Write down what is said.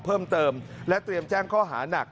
เพิ่มเติมและเตรียมแจ้งข้อหานัก